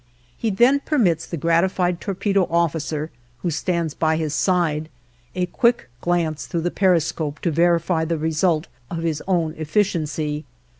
He then permits the gratified torpedo officer, who stands by his side, a quick glance through the periscope to verify the result of his own efficiency.